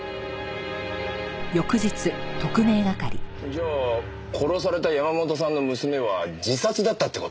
じゃあ殺された山本さんの娘は自殺だったって事か。